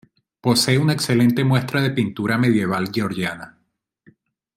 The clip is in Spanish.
Posee una excelente muestra de pintura medieval georgiana.